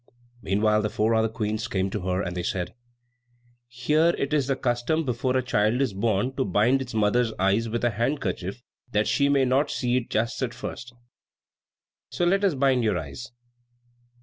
Meanwhile the four other Queens came to her, and they said, "Here it is the custom before a child is born to bind its mother's eyes with a handkerchief that she may not see it just at first. So let us bind your eyes."